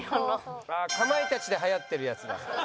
かまいたちではやってるやつだ。